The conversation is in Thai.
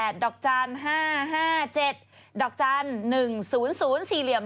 ดอกจันทร์๕๕๗ดอกจันทร์๑๐๐สี่เหลี่ยม